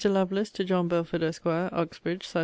LOVELACE, TO JOHN BELFORD, ESQ. UXBRIDGE, SAT.